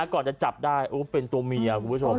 ก่อนจะจับได้เป็นตัวเมียคุณผู้ชม